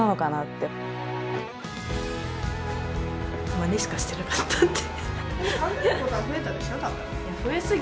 まねしかしてなかったんで。